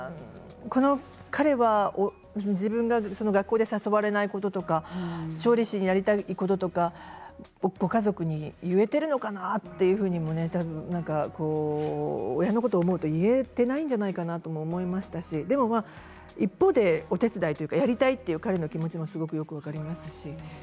この彼は自分が学校で誘われないこととか調理師になりたいこととかご家族に言えているのかなというふうにも親のことを思うと言えないんじゃないかなと思いましたしでも、一方でお手伝いというかやりたいという彼の気持ちもよく分かりますし。